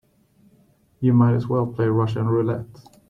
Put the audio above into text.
You might as well play Russian roulette.